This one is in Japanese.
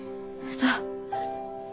そう。